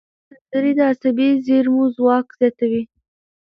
سندرې د عصبي زېرمو ځواک زیاتوي.